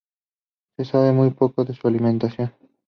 Se sabe muy poco de su alimentación.